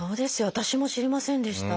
私も知りませんでした。